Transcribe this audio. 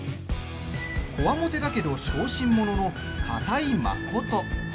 こわもてだけど小心者の片居誠。